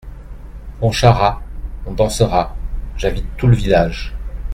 Pontcharrat.- On dansera… j’invite tout le village.